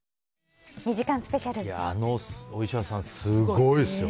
あのお医者さんすごいですよ。